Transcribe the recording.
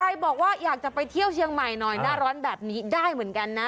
บอกว่าอยากจะไปเที่ยวเชียงใหม่หน่อยหน้าร้อนแบบนี้ได้เหมือนกันนะ